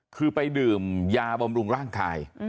คือไปดื่มยาบำรุงร่างกาย